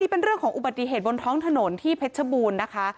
เป็นเรื่องของอุบัติเหตุบนท้องถนนที่เพชรบูรณ์นะคะ